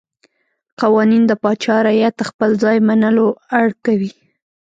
قوانین د پاچا رعیت ته خپل ځای منلو اړ کوي.